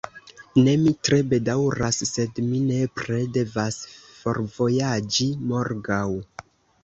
Ne, mi tre bedaŭras, sed mi nepre devas forvojaĝi morgaŭ.